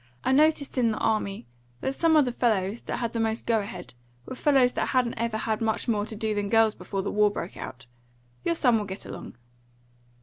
I noticed in the army that some of the fellows that had the most go ahead were fellows that hadn't ever had much more to do than girls before the war broke out. Your son will get along."